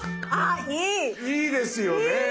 いいですよね。